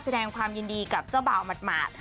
แสดงความยินดีกับเจ้าบ่าวหมาด